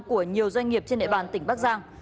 của nhiều doanh nghiệp trên địa bàn tỉnh bắc giang